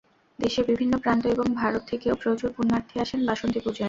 দেশের বিভিন্ন প্রান্ত এবং ভারত থেকেও প্রচুর পুণ্যার্থী আসেন বাসন্তী পূজায়।